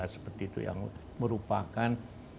seperti itu yang merupakan